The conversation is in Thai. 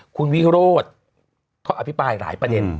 คุณวิโรธเขาอภิปรายหลายประเด็น